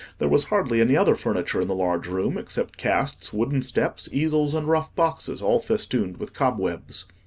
There was hardly any other furniture in the large room, except casts, wooden steps, easels and rough boxes, all festooned with cobwebs.